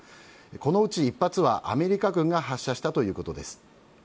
このうち１発はアメリカ軍が発射したということです。